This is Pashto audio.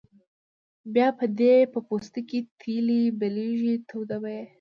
بیا به دې په پوستکي تیلی بلېږي توده به یې.